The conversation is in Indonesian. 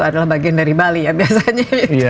adalah bagian dari bali ya biasanya